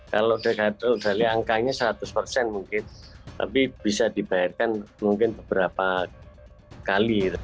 kalau dari angkanya seratus persen mungkin tapi bisa dibayarkan mungkin beberapa kali